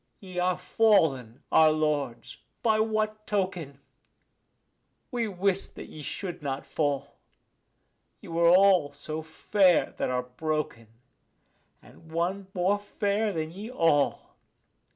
Ye are fallen, our lords, by what token? we wist that ye should not fall. Ye were all so fair that are broken; and one more fair than ye all.